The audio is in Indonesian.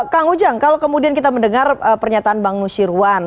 kang ujang kalau kemudian kita mendengar pernyataan bang nusyirwan